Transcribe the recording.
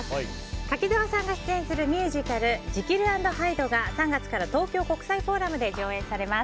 柿澤さんが出演するミュージカル「ジキル＆ハイド」が３月から東京国際フォーラムで上演されます。